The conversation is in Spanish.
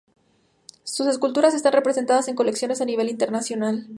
Sus esculturas están representadas en colecciones a nivel internacional.